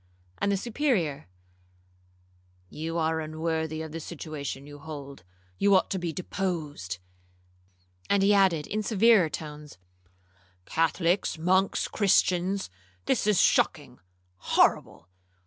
And to the Superior, 'You are unworthy of the situation you hold,—you ought to be deposed.' And he added in severer tones, 'Catholics, monks, Christians, this is shocking,—horrible!